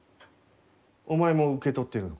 お前も受け取っているのか？